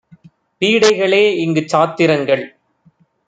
பீடைகளே இங்குச் சாத்திரங்கள்!